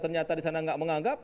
ternyata di sana nggak menganggap